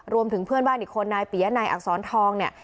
เพื่อนบ้านอีกคนนายปียะนายอักษรทองเนี่ย